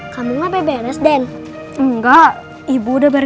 kak febri kak edward deni pamit ya